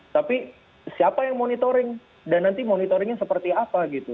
tapi siapa yang monitoring dan nanti monitoringnya seperti apa gitu